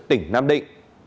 tỉnh nam định